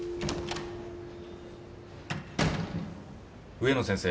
植野先生